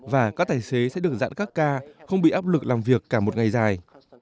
và các tài xế sẽ được giãn các ca không bị áp lực làm việc cả một ngày dài